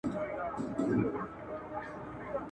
اوگره په تلوار نه سړېږي.